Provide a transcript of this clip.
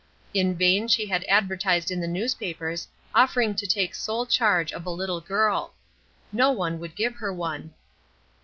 In vain she had advertised in the newspapers offering to take sole charge of a little girl. No one would give her one.